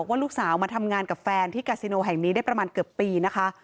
ว่าลูกสาวมาทำงานกับแฟนที่กาซิโนแห่งนี้ได้ประมาณเกือบปีนะคะ